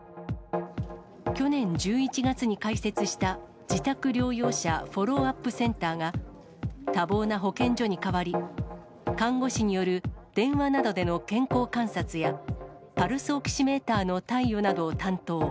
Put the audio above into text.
去年１１月に開設した自宅療養者フォローアップセンターが、多忙な保健所に代わり、看護師による電話などでの健康観察や、パルスオキシメーターの貸与などを担当。